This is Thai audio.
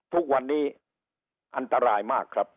ทุกวันนี้อันตรายมากครับ